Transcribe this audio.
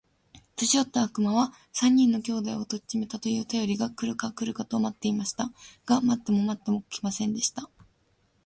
年よった悪魔は、三人の兄弟を取っちめたと言うたよりが来るか来るかと待っていました。が待っても待っても来ませんでした。